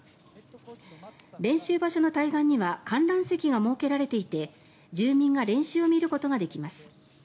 練習場所の対岸には観覧席が設けられていて住民が練習を見ることができます。